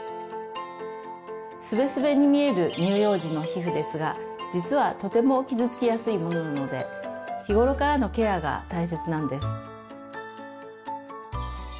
スベスベに見える乳幼児の皮膚ですが実はとても傷つきやすいものなので日頃からのケアが大切なんです。